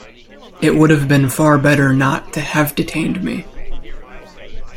It would have been far better not to have detained me.